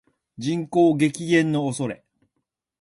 人口激減の恐れ